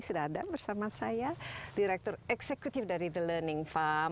sudah ada bersama saya direktur eksekutif dari the learning farm